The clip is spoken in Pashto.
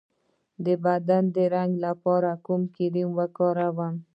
د بدن د رنګ لپاره کوم کریم وکاروم؟